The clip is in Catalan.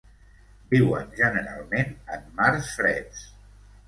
Viuen generalment en mars freds.